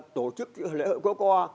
tổ chức lễ hội kéo co